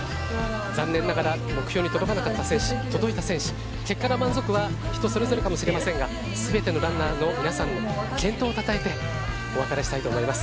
残念ながら目標に届かなかった選手届いた選手結果が満足かは人それぞれかもしれませんがすべてのランナーの皆さんの健闘をたたえてお別れしたいと思います。